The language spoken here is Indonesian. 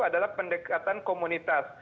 adalah pendekatan komunitas